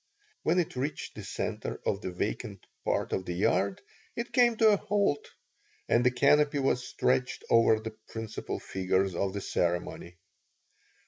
When it reached the center of the vacant part of the yard it came to a halt and a canopy was stretched over the principal figures of the ceremony.